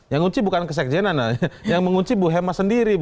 yang mengunci bukan kesekjenan yang mengunci bu hemas sendiri